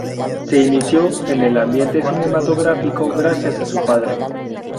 Se inició en el ambiente cinematográfico gracias a su padre.